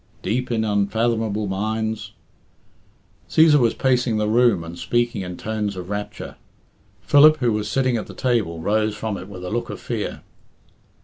'Deep in unfathomable mines' " Cæsar was pacing the room and speaking in tones of rapture. Philip, who was sitting at the table, rose from it with a look of fear.